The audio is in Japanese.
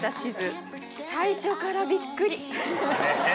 最初からびっくり。